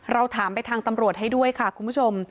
เราถามไปทางตำรวจให้ด้วยค่ะคุณผู้ชม